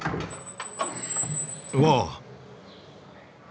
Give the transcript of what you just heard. うわ！